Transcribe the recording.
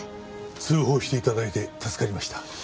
通報して頂いて助かりました。